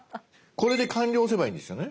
これで「完了」を押せばいいんですよね？